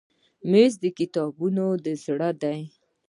مېز د کتابتون زړه دی.